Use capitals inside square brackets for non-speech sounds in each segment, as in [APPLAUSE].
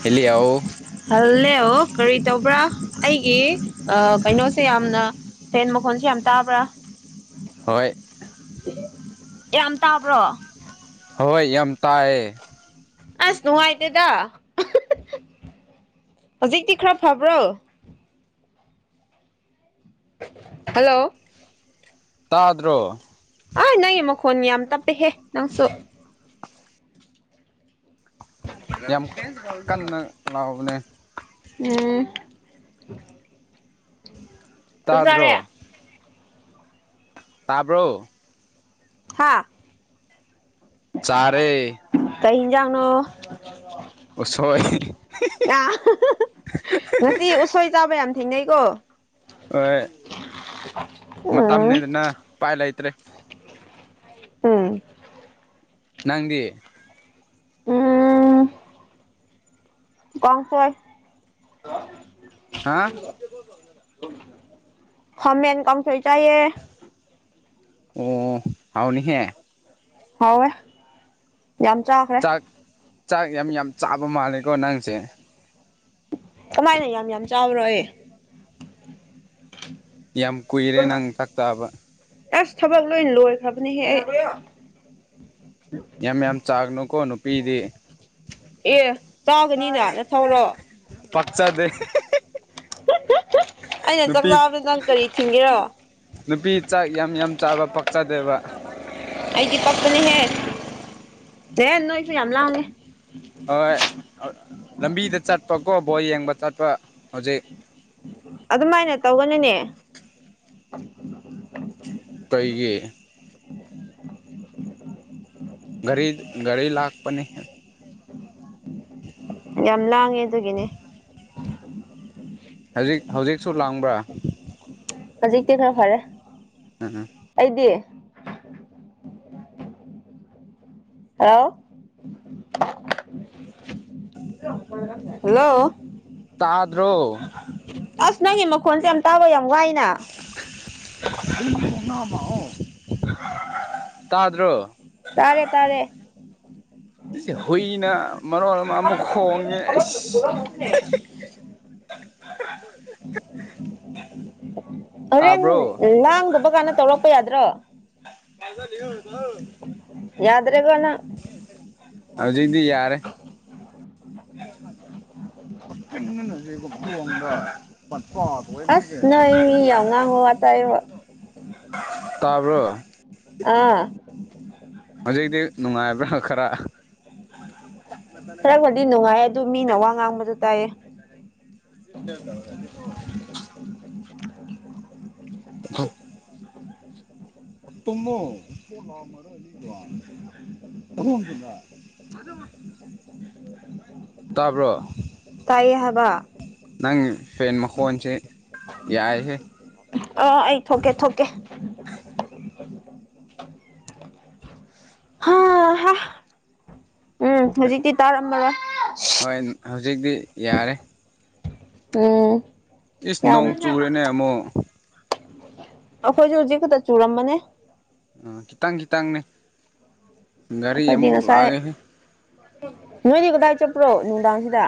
ꯍꯦꯜꯂꯤꯌꯥꯎ ꯍꯜꯂꯦꯋꯣ ꯀꯔꯤ ꯇꯧꯕ꯭ꯔꯥ ꯑꯩꯒꯤ ꯑ ꯀꯩꯅꯣꯁꯦ ꯌꯥꯝꯅ ꯐꯦꯟ ꯃꯈꯣꯟꯁꯦ ꯌꯥꯝ ꯇꯥꯕ꯭ꯔꯥ ꯍꯣꯏ ꯌꯥꯝ ꯇꯥꯕ꯭ꯔꯣ ꯍꯣꯏ ꯌꯥꯝ ꯇꯥꯏꯌꯦ ꯑꯁ ꯅꯨꯡꯉꯥꯏꯇꯦꯗꯥ ꯍꯨꯖꯤꯛꯇꯤ ꯈꯔ ꯐꯕ꯭ꯔꯣ ꯍꯜꯂꯣ ꯇꯥꯗ꯭ꯔꯣ ꯑꯥ ꯅꯪꯒꯤ ꯃꯈꯣꯟ ꯌꯥꯝ ꯇꯞꯄꯦꯍꯦ ꯅꯪꯁꯨ ꯌꯥꯝ ꯀꯟꯅ ꯂꯥꯎꯕꯅꯦ ꯎꯝ ꯆꯥꯛ ꯆꯥꯔꯦ ꯇꯥꯗ꯭ꯔꯣ ꯇꯥꯕ꯭ꯔꯣ ꯍꯥꯥ ꯆꯥꯔꯦ ꯀꯩ ꯍꯤꯟꯖꯥꯡꯅꯣ ꯎꯁꯣꯏ ꯑꯥ ꯉꯁꯤ ꯎꯁꯣꯏ ꯆꯥꯕ ꯌꯥꯝ ꯊꯦꯡꯅꯩꯀꯣ ꯑꯣꯢ ꯎꯝ ꯃꯇꯝꯅꯦꯗꯅꯥ ꯄꯥꯏ ꯂꯩꯇ꯭ꯔꯦ ꯎꯝ ꯅꯪꯗꯤ ꯀꯥꯡꯁꯣꯢ ꯍꯥ ꯈꯥꯃꯦꯟ ꯀꯣꯥꯡꯁꯣꯢ ꯆꯥꯏꯌꯦ ꯑꯣ ꯍꯥꯎꯅꯤꯍꯦ ꯍꯥꯎꯋꯦ ꯌꯥꯝ ꯆꯥꯈ꯭ꯔꯦ ꯆꯥꯛ ꯆꯥꯛ ꯌꯥꯝ ꯌꯥꯝ ꯆꯥꯕ ꯃꯥꯜꯂꯦꯀꯣ ꯅꯪꯁꯦ ꯀꯃꯥꯏꯅ ꯌꯥꯝ ꯌꯥꯝ ꯆꯥꯕꯔꯣ ꯑꯩ ꯌꯥꯝ ꯀꯨꯏꯔꯦ ꯅꯪ ꯊꯥꯛ ꯇꯥꯕ ꯑꯦꯁ ꯊꯕꯛ ꯂꯣꯏꯟ ꯂꯣꯏꯈ꯭ꯔꯕꯅꯦꯍꯦ ꯑꯩ ꯌꯥꯝ ꯌꯥꯝ ꯆꯥꯒꯅꯨꯀꯣ ꯅꯨꯄꯤꯗꯤ ꯑꯦ ꯆꯥꯒꯅꯤꯅ ꯅꯊꯧꯔꯣ ꯄꯥꯛꯆꯥꯗꯦ ꯑꯩꯅ ꯆꯥꯛ ꯆꯥꯕꯗ ꯅꯪ ꯀꯔꯤ ꯊꯤꯡꯒꯦꯔꯣ ꯅꯨꯄꯤ ꯆꯥꯛ ꯌꯥꯝ ꯌꯥꯝ ꯆꯥꯕ ꯄꯥꯛꯆꯗꯦꯕ ꯍ ꯅꯣꯏꯁꯦ ꯌꯥꯝ ꯂꯥꯡꯉꯦ ꯍꯣꯏ ꯑꯥ ꯂꯝꯕꯤꯗ ꯆꯠꯄꯀꯣ ꯕꯣꯜ ꯌꯦꯡꯕ ꯆꯠꯄ ꯍꯧꯖꯤꯛ ꯑꯗꯨꯃꯥꯏꯅ ꯇꯧꯒꯅꯨꯅꯦ ꯀꯩꯒꯤ ꯒꯥꯔꯤ ꯒꯥꯔꯤ ꯂꯥꯛꯄꯅꯤ ꯌꯥꯝ ꯂꯥꯡꯉꯦ ꯑꯗꯨꯒꯤꯅꯤ ꯍꯖꯤꯛ ꯍꯧꯖꯤꯛꯁꯨ ꯂꯥꯡꯕ꯭ꯔꯥ ꯍꯧꯖꯤꯛꯇꯤ ꯈꯔ ꯐꯔꯦ ꯎꯝ ꯑꯩꯗꯤ [UNINTELLIGIBLE] ꯍꯜꯂꯣ ꯇꯥꯗ꯭ꯔꯣ ꯑ꯭ꯁ ꯅꯪꯒꯤ ꯃꯈꯣꯟꯁꯦ ꯌꯥꯝ ꯇꯥꯕ ꯌꯥꯝ ꯋꯥꯏꯅ [INAUDIBLE] ꯇꯥꯗ꯭ꯔꯣ ꯇꯥꯔꯦ ꯇꯥꯔꯦ ꯍꯨꯏꯅ ꯃꯔꯣꯟ ꯑꯃ ꯑꯃꯨꯛ ꯍꯣꯡꯉꯦ ꯑꯩꯁ ꯍꯤꯍꯤ [UNINTELLIGIBLE] ꯍꯣꯔꯦꯟ ꯂꯥꯡꯗꯕ ꯀꯥꯟꯗ ꯇꯧꯔꯛꯄ ꯌꯥꯗ꯭ꯔꯣ ꯌꯥꯗ ꯍꯧꯖꯤꯛꯗꯤ ꯌꯥꯔꯦ ꯑ꯭ꯁ ꯅꯣꯏ [UNINTELLIGIBLE] [UNINTELLIGIBLE] ꯇꯥꯕ꯭ꯔꯣ ꯑꯥ ꯍꯧꯖꯤꯛꯗꯤ ꯅꯨꯡꯉꯥꯏꯕ꯭ꯔꯥ ꯑꯥ ꯈꯔ ꯈꯔꯕꯨꯗꯤ ꯅꯨꯡꯉꯥꯏꯌꯦ ꯑꯗꯨ ꯃꯤꯅ ꯋꯥ ꯉꯥꯡꯕꯁꯨ ꯇꯥꯏꯌꯦ [UNINTELLIGIBLE] [UNINTELLIGIBLE] [UNINTELLIGIBLE] [UNINTELLIGIBLE] ꯇꯥꯕ꯭ꯔꯣ ꯇꯥꯏꯌꯦ ꯍꯥꯕ ꯅꯪ ꯐꯦꯟ ꯃꯈꯣꯟꯁꯦ ꯌꯥꯏꯍꯦ ꯑ ꯑꯩ ꯊꯣꯛꯀꯦ ꯊꯣꯛꯀꯦ [UNINTELLIGIBLE] ꯍꯥꯥꯍꯥ ꯎꯝ ꯍꯨꯖꯤꯛꯇꯤ ꯇꯥꯔꯝꯃꯔꯣꯏ ꯍꯣꯏ ꯍꯧꯖꯤꯛꯇꯤ ꯌꯥꯔꯦ ꯎꯝ ꯏꯁ ꯌꯥꯝ ꯅꯣꯡ ꯆꯨꯔꯦꯅꯦ ꯑꯃꯨꯛ ꯑꯩꯈꯣꯏꯁꯨ ꯍꯨꯖꯤꯛ ꯈꯇ ꯆꯨꯔꯝꯕꯅꯦ ꯑꯥ ꯈꯤꯇꯪ ꯈꯤꯇꯪꯅꯦ ꯒꯥꯔꯤ ꯑꯩꯈꯣꯏꯗꯤ ꯑꯃꯨꯛ ꯉꯁꯥꯏ ꯂꯥꯛꯑꯦꯍꯦ ꯅꯣꯏꯗꯤ ꯀꯗꯥꯏ ꯆꯠꯄ꯭ꯔꯣ ꯅꯨꯡꯗꯥꯡꯁꯤꯗ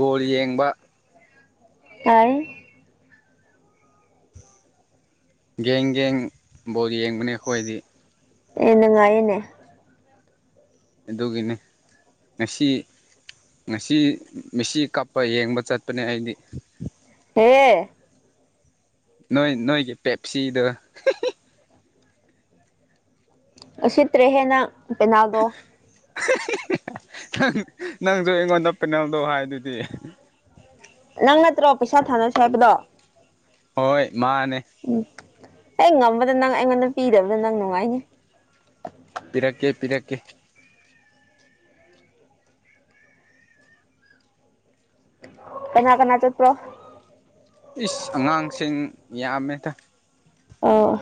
ꯕꯣꯜ ꯌꯦꯡꯕ [UNINTELLIGIBLE] ꯒꯦꯡ ꯒꯦꯡ ꯕꯣꯜ ꯌꯦꯡꯕꯅꯦ ꯑꯈꯣꯏꯗꯤ ꯑꯦ ꯅꯨꯡꯉꯥꯏꯌꯦꯅꯦ ꯑꯗꯨꯒꯤꯅꯤ ꯉꯁꯤ ꯉꯁꯤ ꯃꯤꯁꯤ ꯀꯞꯄ ꯌꯦꯡꯕ ꯆꯠꯄꯅꯦ ꯑꯩꯗꯤ ꯍꯦ ꯅꯣꯏ ꯅꯣꯏꯒꯤ ꯄꯦꯞꯁꯤꯗꯣ ꯏ ꯍꯤ ꯍꯤ ꯎꯁꯤꯠꯇ꯭ꯔꯦꯍꯦ ꯅꯪ ꯄꯦꯅꯥꯜꯗꯣ ꯅꯪ ꯅꯪꯁꯨ ꯑꯩꯉꯣꯟꯗ ꯄꯦꯅꯦꯜꯗꯣ ꯍꯥꯏꯗꯨꯗꯤ ꯅꯪ ꯅꯠꯇ꯭ꯔꯣ ꯄꯩꯁꯥ ꯊꯥꯟꯅꯁꯦ ꯍꯥꯏꯕꯗꯣ ꯍꯣꯏ ꯃꯥꯅꯦ ꯎꯝ ꯍꯦꯛ ꯉꯝꯕꯗ ꯅꯪ ꯑꯩꯉꯣꯟꯗ ꯄꯤꯗꯕꯗ ꯅꯪ ꯅꯨꯡꯉꯥꯏꯅꯤ ꯄꯤꯔꯛꯀꯦ ꯄꯤꯔꯛꯀꯦ ꯀꯅꯥ ꯀꯅꯥ ꯆꯠꯄ꯭ꯔꯣ ꯏ꯭ꯁ ꯑꯉꯥꯡꯁꯤꯡ ꯌꯥꯝꯃꯦꯗ ꯑꯝ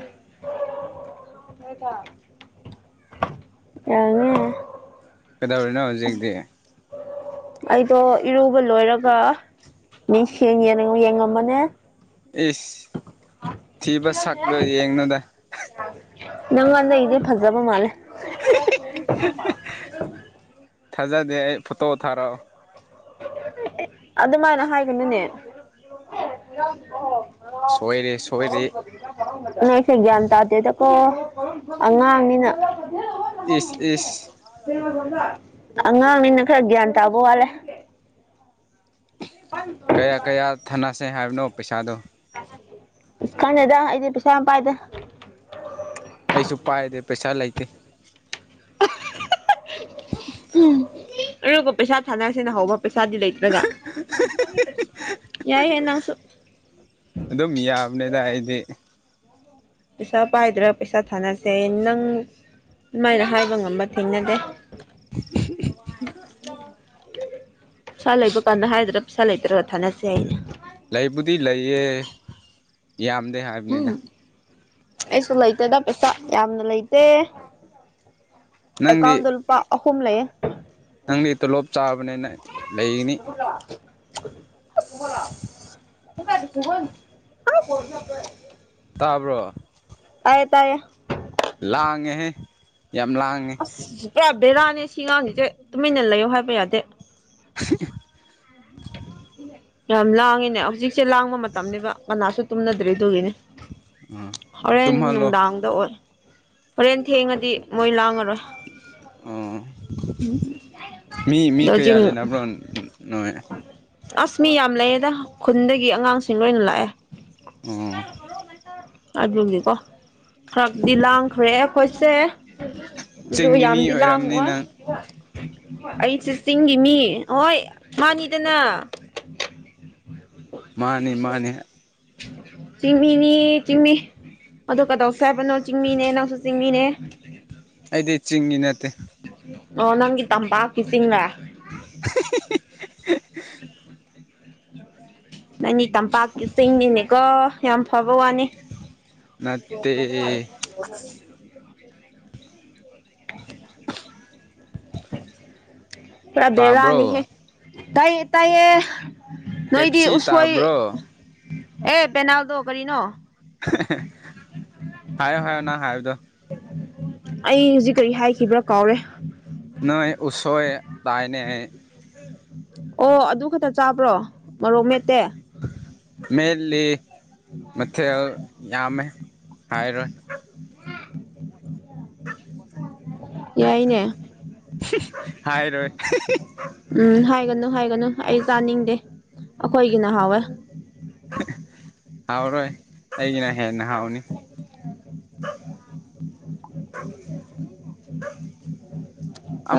[UNINTELLIGIBLE] ꯀꯗꯧꯔꯤꯅꯣ ꯍꯨꯖꯤꯛꯗꯤ ꯑꯩꯗꯣ ꯏꯔꯨꯕ ꯂꯣꯏꯔꯒ [UNINTELLIGIBLE] ꯏ꯭ꯁ ꯊꯤꯕ ꯁꯛꯇꯣ ꯌꯦꯡꯅꯨꯗ ꯅꯪꯉꯣꯟꯗꯩꯩꯗꯤ ꯐꯖꯕ ꯃꯥꯜꯂꯦ [UNINTELLIGIBLE] ꯊꯥꯖꯗꯦ ꯑꯩ ꯐꯣꯇꯣ ꯊꯥꯔꯛꯑꯣ ꯑꯗꯨꯃꯥꯏꯅ ꯍꯥꯏꯒꯅꯨꯅꯦ ꯁꯣꯏꯔꯦ ꯁꯣꯏꯔꯦ [UNINTELLIGIBLE] ꯒꯌ꯭ꯥꯟ ꯇꯥꯗꯦꯗꯀꯣ ꯑꯉꯥꯡꯅꯤꯅ ꯏ꯭ꯁ ꯏ꯭ꯁ ꯑꯉꯥꯡꯅꯤꯅ ꯈ꯭ꯔ ꯒꯌꯥꯟ ꯇꯥꯕ ꯋꯥꯠꯂꯦ ꯀꯌꯥ ꯀꯌꯥ ꯊꯥꯅꯁꯦ ꯍꯥꯏꯕꯅꯣ ꯄꯩꯁꯥꯗꯣ ꯈꯟꯗꯦꯗ ꯑꯩꯗꯤ ꯄꯩꯁꯥ ꯌꯥꯝ ꯄꯥꯏꯗꯦ ꯑꯩꯁꯨ ꯄꯥꯏꯗꯦ ꯄꯩꯁꯥ ꯂꯩꯇꯦ ꯎꯝ [UNINTELLIGIBLE] ꯄꯩꯁꯥ ꯊꯥꯟꯅꯁꯦꯅ ꯍꯧꯕ ꯄꯩꯁꯥꯗꯤ ꯂꯩꯇ꯭ꯔꯒ ꯌꯥꯏꯍꯦ ꯅꯪꯁꯨ ꯑꯗꯨꯝ ꯌꯥꯕꯅꯦꯗ ꯑꯩꯗꯤ ꯄꯩꯁꯥ ꯄꯥꯏꯗ꯭ꯔꯥ ꯄꯩꯁꯥ ꯊꯥꯅꯁꯦ ꯅꯪ ꯑꯗꯨꯃꯥꯏꯅ ꯍꯥꯏꯕ ꯉꯝꯕ ꯊꯦꯡꯅꯗꯦ [UNINTELLIGIBLE] ꯄꯩꯁꯥ ꯂꯩꯕ ꯀꯥꯟꯗ ꯍꯥꯏꯗ꯭ꯔꯥ ꯄꯩꯁꯥ ꯂꯩꯇ꯭ꯔꯒ ꯊꯥꯟꯅꯁꯦ ꯍꯥꯏꯅꯦ ꯂꯩꯕꯨꯗꯤ ꯂꯩꯌꯦ ꯌꯥꯝꯗꯦ ꯎꯝ ꯍꯥ꯭ꯏꯕꯅꯤꯗ ꯑꯩꯁꯨ ꯂꯩꯇꯦꯗ ꯄꯩꯁꯥ ꯌꯥꯝꯅ ꯂꯩꯇꯦ ꯅꯪꯗꯤ ꯑꯦꯀꯥ꯭ꯎꯟꯗ ꯂꯨꯄꯥ ꯑꯍꯨꯝ ꯂꯩꯌꯦ ꯅꯪꯗꯤ ꯇꯣꯂꯣꯞ ꯆꯥꯕꯅꯦꯅ [INAUDIBLE] [UNINTELLIGIBLE] [UNINTELLIGIBLE] ꯇꯥꯕ꯭ꯔꯣ ꯇꯥꯏꯌꯦ ꯇꯥꯏꯌꯦ ꯂꯥꯡ ꯑꯦ ꯍꯦ ꯑꯁ ꯄꯨꯔꯥ ꯕꯦꯔꯥꯅꯦ ꯁꯤꯑꯉꯥꯡ ꯁꯤꯡꯁꯦ ꯇꯨꯃꯤꯟꯅ ꯂꯩꯌꯣ ꯍꯥꯏꯕ ꯌꯥꯗꯦ [UNINTELLIGIBLE] ꯌꯥꯝ ꯂꯥꯡꯉꯤꯅꯦ ꯍꯧꯖꯤꯛꯁꯦ ꯂꯥꯡꯕ ꯃꯇꯝꯅꯦꯕ ꯀꯅꯥꯁꯨ ꯇꯨꯝꯅꯗ꯭ꯔꯤ ꯑꯗꯨꯒꯤꯅꯦ ꯎꯝ ꯍꯣꯔꯦꯟ ꯇꯨꯝꯍꯜꯂꯣ ꯅꯨꯡꯗꯥꯡꯗ ꯑꯣꯏ ꯍꯣꯔꯦꯟ ꯊꯦꯡꯉꯗꯤ ꯃꯣꯏ ꯂꯥꯡꯉꯔꯣꯏ ꯑꯥ ꯃꯤ ꯃꯤ ꯑꯗꯣ ꯍꯧꯖꯤꯛ ꯀꯌꯥ ꯂꯩꯅꯕ꯭ꯔꯣ ꯅꯣꯏ ꯑꯁ ꯃꯤ ꯌꯥꯝ ꯂꯩꯌꯦꯗ ꯈꯨꯟꯗꯒꯤ ꯑꯉꯥꯡꯁꯤꯡ ꯂꯣꯏꯅ ꯂꯥꯛꯑꯦ ꯑꯣ ꯑꯗꯨꯒꯤꯀꯣ ꯈꯔꯗꯤ ꯂꯥꯡꯈ꯭ꯔꯦ ꯑꯩꯈꯣꯏꯁꯦ ꯑꯗꯣ ꯆꯤꯡꯒꯤ ꯃꯤ ꯌꯥꯝꯗꯤ ꯑꯣꯏꯔꯝꯅꯤ ꯂꯥꯡꯑꯣꯏ꯫ ꯅꯪ ꯑꯩꯁꯦ ꯆꯤꯡꯒꯤ ꯃꯤ ꯍꯣꯏ ꯃꯥꯥꯅꯤꯗꯅ [UNINTELLIGIBLE] ꯃꯥꯅꯤ ꯃꯥꯅꯤ ꯆꯤꯃꯤꯅꯤ ꯆꯤꯡꯃꯤ ꯑꯗꯨ ꯀꯗꯧꯁꯦ ꯍꯥꯏꯕꯅꯣ ꯆꯤꯡꯃꯤꯅꯦ ꯅꯪꯁꯨ ꯆꯤꯡꯃꯤꯅꯦ ꯑꯩꯗꯤ ꯆꯤꯡꯃꯤ ꯅꯠꯇꯦ ꯑꯣ ꯅꯪꯗꯤ ꯇꯝꯄꯥꯛꯀꯤ ꯆꯤꯡꯂꯥ [UNINTELLIGIBLE] ꯅꯪꯗꯤ ꯇꯝꯄꯥꯛꯀꯤ ꯆꯤꯡ ꯅꯤꯅꯦ ꯀꯣ ꯌꯥꯝ ꯐꯕ ꯋꯥꯅꯤ ꯅꯠꯇꯦ ꯑꯁ ꯄꯨꯔꯥ ꯇꯥꯕ꯭ꯔꯣ ꯕꯦꯔꯥꯅꯤꯍꯦ ꯇꯥꯏꯌꯦ ꯇꯥꯏꯌꯦ ꯅꯣꯏꯗꯤ ꯄꯦꯞꯁꯤ ꯎꯁꯣꯏ ꯇꯥꯕ꯭ꯔꯣ ꯑꯦ ꯄꯦꯅꯥꯜꯗꯣ ꯀꯔꯤꯅꯣ ꯍꯦ ꯍꯦ ꯍꯥꯏꯌꯣ ꯍꯥꯏꯌꯣ ꯅꯪ ꯍꯥꯏꯕꯗꯣ ꯑꯩ ꯍꯧꯖꯤꯛ ꯀꯔꯤ ꯍꯥꯏꯈꯤꯕ꯭ꯔꯥ ꯀꯥꯎꯔꯦ ꯅꯣꯏ ꯎꯁꯣꯏ ꯇꯥꯏꯅꯦ ꯑꯣ ꯑꯗꯨ ꯈꯛꯇ ꯆꯥꯕ꯭ꯔꯣ ꯃꯔꯣꯛ ꯃꯦꯠꯇꯦ ꯃꯦꯠꯂꯤ ꯃꯊꯦꯜ ꯌꯥꯝꯃꯦ ꯍꯥꯏꯥꯏꯔꯣꯏ ꯌꯥꯏꯅꯦ ꯍꯥꯏꯔꯣꯏ ꯍꯤ ꯍꯤ ꯎꯝ ꯍꯥꯏꯒꯅꯨ ꯍꯥꯏꯒꯅꯨ ꯑꯩ ꯆꯥꯅꯤꯡꯗꯦ ꯑꯩꯈꯣꯏꯒꯤ ꯅ ꯍꯥꯎꯋꯦ ꯍꯤꯍꯤ ꯍꯥꯎꯔꯣꯏ ꯑꯩꯒꯤꯅ ꯍꯦꯟꯅ ꯍꯥꯎꯅꯤ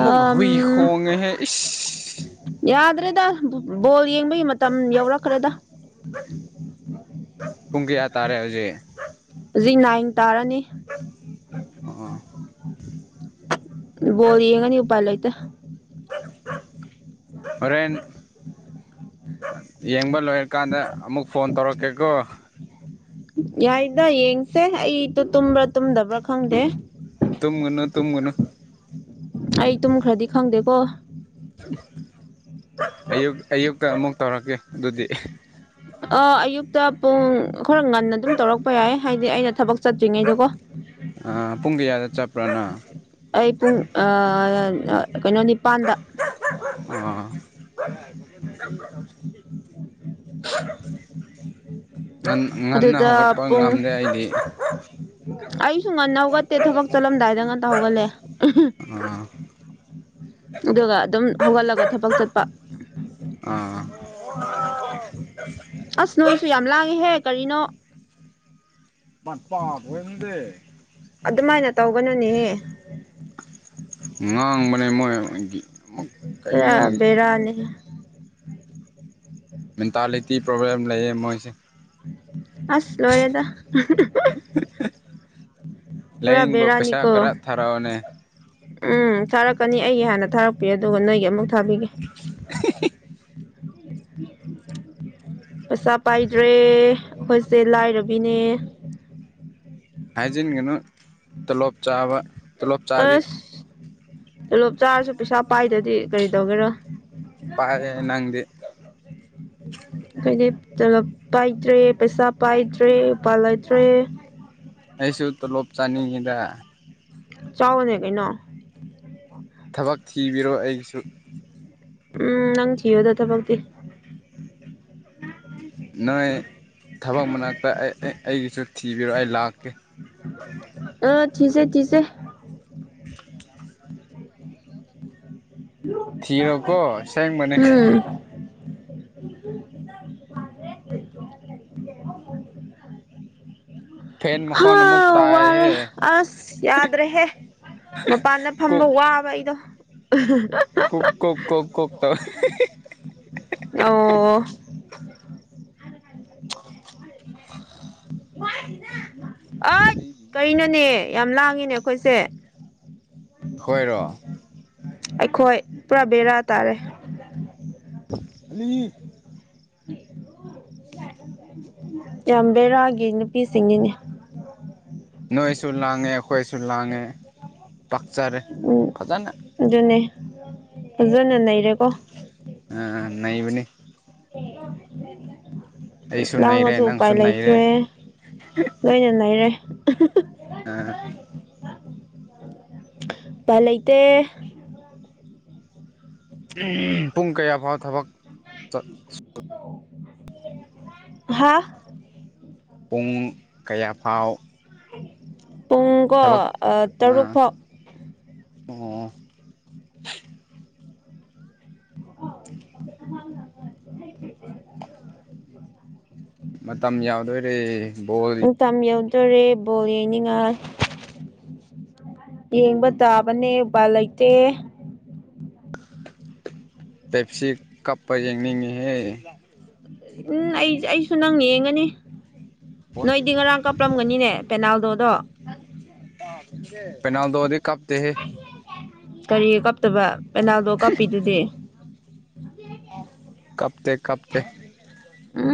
ꯥ ꯑꯥ ꯑꯝ ꯍꯨꯏ ꯈꯣꯡꯉꯦꯍꯦ ꯏꯁ ꯌꯥꯗꯦ ꯌꯥꯗꯦꯗ ꯕꯣꯜ ꯌꯦꯡꯕꯒꯤ ꯃꯇꯝ ꯌꯧꯔꯛꯈ꯭ꯔꯦꯗ ꯄꯨꯡ ꯀꯌꯥ ꯇꯥꯔꯦ ꯍꯧꯖꯤꯛ ꯍꯧꯖꯤꯛ ꯅꯥꯏꯟ ꯇꯥꯔꯅꯤ ꯑꯥ ꯕꯣꯜ ꯌꯦꯡꯉꯅꯤ ꯎꯄꯥꯥꯏ ꯂꯩꯇꯦ ꯍꯣꯔꯦꯟ ꯌꯦꯡꯕ ꯂꯣꯏꯔꯀꯥꯟꯗ ꯑꯃꯨꯛ ꯐꯣꯟ ꯇꯧꯔꯛꯀꯦꯀꯣ ꯌꯥꯏꯗ ꯌꯦꯡꯁꯦ ꯑꯩꯗꯣ ꯇꯨꯝꯕ꯭ꯔꯥ ꯇꯨꯝꯗꯕ꯭ꯔꯥ ꯈꯪꯗꯦ ꯇꯨꯡꯒꯅꯨ ꯇꯨꯡꯒꯅꯨ ꯑꯩ ꯇꯨꯝꯈ꯭ꯔꯗꯤ ꯈꯪꯗꯦꯀꯣ ꯑꯌꯨ ꯑꯌꯨꯛꯇ ꯑꯃꯨꯛ ꯇꯧꯔꯛꯀꯦ ꯑꯗꯨꯗꯤ ꯑꯥ ꯑꯌꯨꯛꯇ ꯄꯨꯡ ꯈꯔ ꯉꯟꯅ ꯑꯗꯨꯝ ꯇꯧꯔꯛꯄ ꯌꯥꯏ ꯍꯥꯏꯗꯤ ꯑꯩꯅ ꯊꯕꯛ ꯆꯠꯇ꯭ꯔꯤꯉꯩꯗꯀꯣ ꯄꯨꯡ ꯀꯌꯥꯗ ꯆꯠꯄ꯭ꯔꯥ ꯅꯪ ꯑꯩ ꯄꯨꯡ ꯑꯥ ꯀꯩꯅꯣ ꯅꯤꯄꯥꯟꯗ ꯑꯥ [UNINTELLIGIBLE] ꯉꯟꯅ ꯑꯗꯨꯗ ꯍꯧꯒꯠꯄ ꯄꯨꯡ ꯉꯝꯗꯦ ꯑꯩꯗꯤ ꯑꯩꯁꯨ ꯉꯟꯅ ꯍꯧꯒꯠꯇꯦ ꯊꯕꯛ ꯆꯠꯂꯝꯗꯥꯏꯗ ꯉꯟꯇ ꯍꯧꯒꯠꯂꯦ ꯑꯥ ꯑꯗꯨꯒ ꯑꯗꯨꯝ ꯍꯧꯒꯠꯂꯒ ꯊꯕꯛ ꯆꯠꯄ ꯑꯥ ꯑꯁ ꯅꯣꯏꯁꯨ ꯌꯥꯝ ꯂꯥꯡꯉꯦꯍꯦ ꯀꯔꯤꯅꯣ [UNINTELLIGIBLE] ꯑꯗꯨꯃꯥꯏꯅ ꯇꯧꯒꯅꯨꯅꯦꯍꯦ ꯉꯥꯡꯕꯅꯦ ꯃꯣꯏꯗꯤ ꯈꯔ ꯕꯦꯔꯥꯅꯤ ꯃꯦꯟꯇꯥꯂꯤꯇꯤ ꯄ꯭ꯔꯣꯕ꯭ꯂꯦꯝ ꯂꯩꯌꯦ ꯃꯣꯏꯁꯦ ꯑꯁ ꯂꯣꯙꯔꯦꯗ ꯍꯨ ꯍꯨ ꯄꯨꯥ ꯂꯥꯏꯌꯦꯡꯕ ꯕꯦꯔꯅꯤ ꯄꯩꯁꯥ ꯀꯣ ꯈꯔ ꯊꯥꯔꯛꯑꯣꯅꯦ ꯎꯝ ꯊꯥꯔꯛꯀꯅꯤ ꯑꯩꯒꯤ ꯍꯥꯟꯅ ꯊꯥꯔꯛꯄꯤꯌꯨ ꯑꯗꯨꯒ ꯅꯣꯏꯒꯤ ꯑꯃꯨꯛ ꯊꯥꯕꯤꯒꯦ ꯄꯩꯁꯥ ꯄꯥꯏꯗ꯭ꯔꯦ ꯑꯩꯈꯣꯏꯁꯦ ꯂꯥꯏꯔꯕꯤꯅꯦ ꯍꯥꯏꯖꯤꯟꯒꯅꯨ ꯇꯣꯂꯣꯞ ꯆꯥꯕ ꯇꯣꯂꯣꯞ ꯆꯥꯕꯤ ꯆꯂꯣꯞ ꯆꯥꯔꯁꯨ ꯄꯩꯁꯥ ꯄꯥꯏꯗꯗꯤ ꯀꯔꯤ ꯇꯧꯒꯦꯔꯥ ꯄꯥꯏꯔꯦ ꯅꯪꯗꯤ ꯍꯥꯏꯗꯤ ꯇꯣꯂꯣꯞ ꯄꯥꯏꯗ꯭ꯔꯦ ꯄꯩꯁꯥ ꯄꯥꯏꯗ꯭ꯔꯦ ꯎꯄꯥꯜ ꯂꯩꯇ꯭ꯔꯦ ꯑꯩꯁꯨ ꯇꯣꯂꯣꯞ ꯆꯥꯅꯤꯡꯉꯤꯗ ꯆꯥꯎꯕꯅꯦ ꯀꯩꯅꯣ ꯊꯕꯛ ꯊꯤꯕꯤꯔꯣ ꯑꯩꯒꯤꯁꯨ ꯎꯝ ꯅꯪ ꯊꯣꯌꯣꯗ ꯊꯕꯛꯇꯤ ꯅꯣꯏ ꯊꯕꯛ ꯃꯅꯥꯛꯇ ꯑꯩꯒꯤꯁꯨ ꯊꯤꯕꯤꯔꯣ ꯑꯩ ꯂꯥꯛꯀꯦ [INAUDIBLE] ꯆꯤꯁꯦ ꯆꯤꯁꯦ ꯊꯤꯔꯣ ꯀꯣ ꯁꯦꯡꯕꯅꯦ ꯎꯝ ꯐꯦꯟ ꯃꯈꯣꯟ ꯑꯃꯨꯛ ꯍꯥ ꯋꯥꯔꯦ ꯇꯥꯏꯍꯦ ꯑꯁ ꯌꯥꯗ꯭ꯔꯦꯍꯦ ꯃꯄꯥꯟꯗ ꯐꯝꯕ ꯋꯥꯕ ꯑꯩꯗꯣ ꯀꯣꯛ ꯀꯣꯛ ꯀꯣꯛ ꯇꯧꯋꯦ ꯍꯦ ꯍꯦ ꯑꯣ [INAUDIBLE] ꯑꯩ ꯀꯩꯅꯣꯅꯦ ꯌꯥꯝ ꯂꯥꯡꯉꯤꯅꯦ ꯑꯩꯈꯣꯏꯁꯦ ꯑꯩꯈꯣꯏꯔꯣ ꯑꯩꯈꯣꯏ ꯄꯨꯔꯥ ꯕꯦꯔꯥ ꯇꯥꯔꯦ ꯑꯅꯤ [UNINTELLIGIBLE] ꯌꯥꯝ ꯕꯦꯔꯥꯒꯤ ꯅꯨꯄꯤ ꯁꯤꯡꯅꯤꯅꯦ ꯅꯣꯏꯁꯨ ꯂꯥꯡꯉꯦ ꯑꯩꯈꯣꯏꯁꯨ ꯂꯥꯡꯉꯦ ꯄꯥꯛꯆꯔꯦ ꯎꯝ ꯐꯖꯅ ꯑꯗꯨꯅꯦ ꯐꯖꯅ ꯅꯔꯦꯀꯣ ꯑꯥ ꯅꯩꯕꯅꯤ ꯑꯩꯁꯨ [UNINTELLIGIBLE] ꯅꯩꯔꯦ ꯂꯥꯡꯉꯁꯨ ꯎꯄꯥꯏ ꯅꯪꯁꯨ ꯅꯩꯔꯦ ꯂꯩꯇ꯭ꯔꯦ ꯂꯣꯏꯅ ꯅꯩꯔꯦ ꯑꯥ ꯑꯥ ꯎꯄꯥꯏ ꯂꯩꯇꯦ ꯑꯍꯝ ꯄꯨꯡ ꯀꯌꯥ ꯐꯥꯎ ꯊꯕꯛ ꯆꯠ [UNINTELLIGIBLE] ꯍꯥꯥ ꯄꯨꯡ ꯀꯌꯥ ꯐꯥꯎ ꯄꯨꯡ ꯀꯣ ꯊꯕꯛ ꯑꯥ ꯇꯔꯨꯛ ꯐꯥꯎ ꯑꯣ [INAUDIBLE] ꯃꯇꯝ ꯌꯥꯎꯗꯧꯏꯔꯦ ꯃꯇꯝ ꯌꯧꯗꯣꯔꯦ ꯕꯣꯜ ꯌꯦꯡꯅꯤꯡꯉꯥꯏ ꯌꯦꯡꯕ ꯇꯥꯕꯅꯦ ꯎꯄꯥꯏꯜ ꯂꯩꯇꯦ ꯄꯦꯞꯁꯤ ꯀꯞꯄ ꯌꯦꯡꯅꯤꯡꯉꯦꯍꯦ ꯎꯝ ꯑꯩꯁ ꯑꯩꯁꯨ ꯅꯪ ꯌꯦꯡꯒꯅꯤ ꯅꯣꯏꯗꯤ ꯉꯔꯥꯡ ꯀꯥꯞꯂꯝꯒꯅꯤꯅꯦ ꯄꯦꯅꯥꯜꯗꯣ ꯗꯣ ꯄꯦꯅꯜꯗꯣ ꯗꯤ ꯀꯞꯇꯦ ꯍꯦ ꯀꯔꯤ ꯀꯥꯞꯇꯕ ꯄꯦꯅꯥꯜꯗꯣ ꯀꯥꯞꯄꯤꯗꯨꯗꯤ ꯀꯞꯇꯦ ꯀꯞꯇꯦ ꯎꯝ